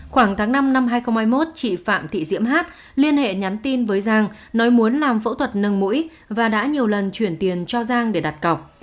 khoảng tháng năm năm hai nghìn hai mươi một chị phạm thị diễm hát liên hệ nhắn tin với giang nói muốn làm phẫu thuật nâng mũi và đã nhiều lần chuyển tiền cho giang để đặt cọc